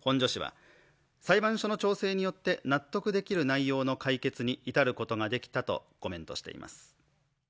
本庶氏は裁判所の調整によって納得できる内容の解決に至ることができたとコメントしています。